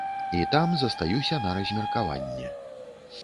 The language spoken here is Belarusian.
І там застаюся на размеркаванне.